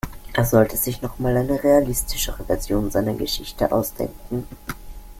Er sollte sich noch mal eine realistischere Version seiner Geschichte ausdenken.